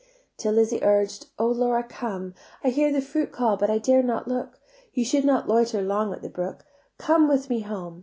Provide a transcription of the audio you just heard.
Till Lizzie urged, "O Laura, come; I hear the fruit call but I dare not look: You should not loiter longer at this brook: Come with me home.